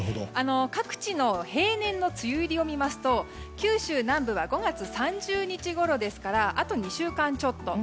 各地の平年の梅雨入りを見ますと九州南部は５月３０日ごろですからあと２週間ちょっと。